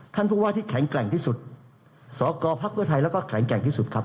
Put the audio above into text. ท่านภูมิว่าที่แข็งแกร่งที่สุดศกภภและแขลงแกร่งที่สุดครับ